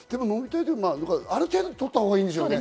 ある程度取ったほうがいいでしょうね。